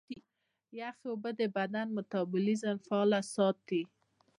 یخي اوبه د بدن میتابولیزم فعاله ساتي.